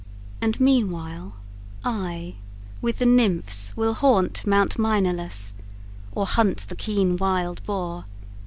And meanwhile I with the Nymphs will haunt Mount Maenalus, Or hunt the keen wild boar.